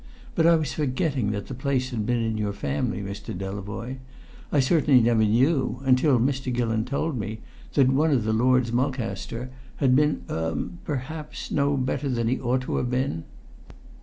But I was forgetting that the place had been in your family, Mr. Delavoye. I certainly never knew, until Mr. Gillon told me, that one of the Lords Mulcaster had been er perhaps no better than he ought to have been."